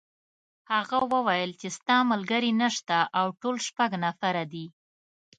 هغه وویل چې ستا ملګري نشته او ټول شپږ نفره دي.